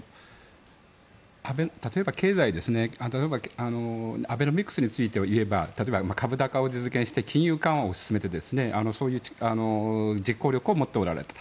例えば経済アベノミクスについていえば株高を実現して金融緩和を進めて実行力を持っておられた。